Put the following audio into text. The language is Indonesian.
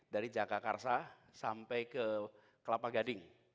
dari jakarta sampai ke kelapa gading